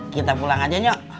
kita pulang aja nyok